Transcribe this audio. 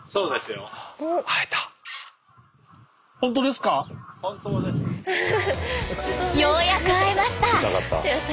ようやく会えました！